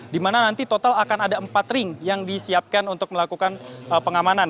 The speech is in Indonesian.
di mana nanti total akan ada empat ring yang disiapkan untuk melakukan pengamanan